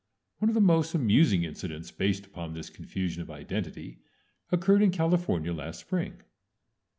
One of the most amusing incidents based upon this confusion of identity occurred in California last spring.